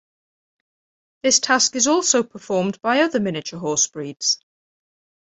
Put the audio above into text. This task is also performed by other miniature horse breeds.